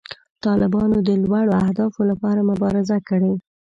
طالبانو د لوړو اهدافو لپاره مبارزه کړې.